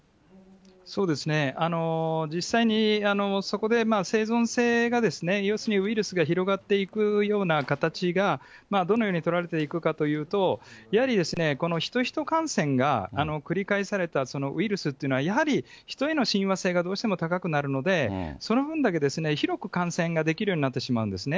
そうですね、実際にそこで生存性が要するに、ウイルスが広がっていくような形が、どのように取られていくかというと、やはりですね、このヒト・ヒト感染が繰り返されたそのウイルスっていうのは、やはり人への親和性がどうしても高くなるので、その分だけ広く感染ができるようになってしまうんですね。